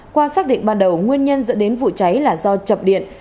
qua xác định ban đầu nguyên nhân dẫn đến vụ cháy là do chập điện